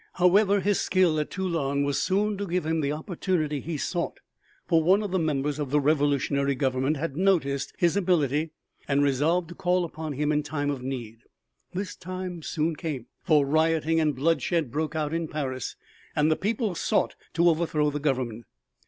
However, his skill at Toulon was soon to give him the opportunity he sought, for one of the members of the Revolutionary Government had noticed his ability and resolved to call upon him in a time of need. This time soon came, for rioting and bloodshed broke out in Paris, and the people sought to overthrow the Government.